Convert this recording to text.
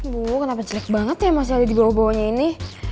bu kenapa jelek banget ya mas yang ada di bawah bawahnya ini